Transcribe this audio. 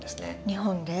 日本で？